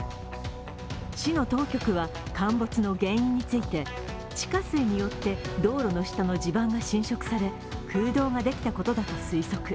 市の当局は、陥没の原因について地下水によって道路の下の地盤が浸食され、空洞ができたことだと推測。